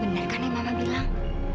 benar kan yang mama bilang